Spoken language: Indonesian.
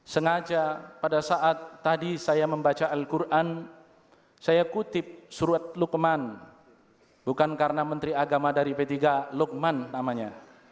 sengaja pada saat tadi saya membaca al quran saya kutip surat lukeman bukan karena menteri agama dari p tiga lukman namanya